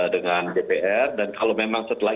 dengan dpr dan kalau memang setelah